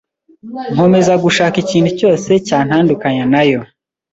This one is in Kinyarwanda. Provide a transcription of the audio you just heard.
nkomeza gushaka ikintu cyose cyantandukanya na yo